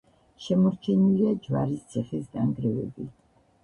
შემორჩენილია ჯვარის ციხის ნანგრევები.